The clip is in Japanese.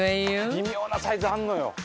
「微妙なサイズあるのよ」